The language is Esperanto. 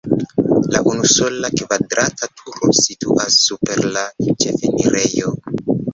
La unusola kvadrata turo situas super la ĉefenirejo.